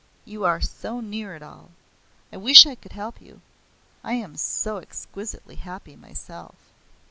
You are so near it all. I wish I could help you; I am so exquisitely happy myself."